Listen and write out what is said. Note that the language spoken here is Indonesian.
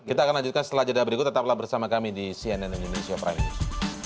kita akan lanjutkan setelah jadwal berikut tetaplah bersama kami di cnn indonesia prime news